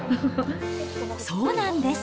そうなんです。